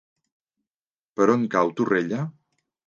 Per on cau Torrella?